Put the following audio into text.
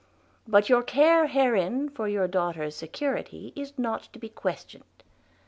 – But your care herein for your daughter's securitye is not to be questionned.